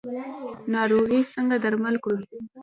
ناروغي څنګه درمل کړو؟